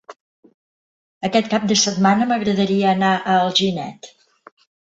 Aquest cap de setmana m'agradaria anar a Alginet.